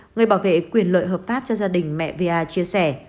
người bảo vệ quyền lợi hợp pháp cho gia đình mẹ chia sẻ